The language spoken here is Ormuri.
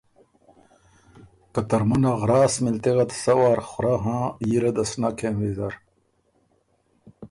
که ترمُن ا غراس مِلتِغ ات سۀ وار خورۀ هن ییله ده سو نک کېم ویزر